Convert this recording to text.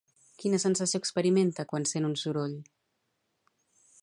Quina sensació experimenta quan sent un soroll?